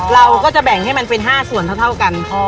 เราก็จะแบ่งให้มันเป็น๕ส่วนเท่ากัน